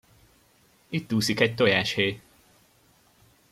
Itt úszik egy tojáshéj!